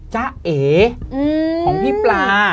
จ้าเอของพี่ปลา